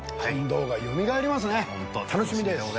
楽しみです！